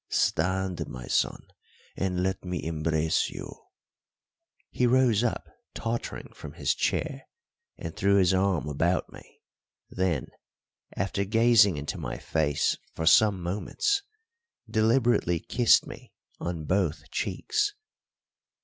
Stand, my son, and let me embrace you." He rose up tottering from his chair and threw his arm about me; then, after gazing into my face for some moments, deliberately kissed me on both cheeks.